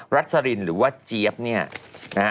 รัสรินหรือว่าเจี๊ยบเนี่ยนะฮะ